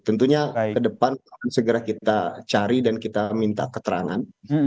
tentunya ke depan akan segera kita cari dan kita minta keterangan